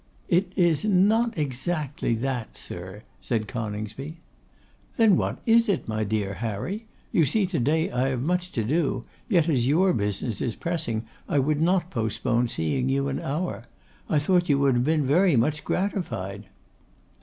'It is not exactly that, sir,' said Coningsby. 'Then what is it, my dear Harry? You see to day I have much to do; yet as your business is pressing, I would not postpone seeing you an hour. I thought you would have been very much gratified.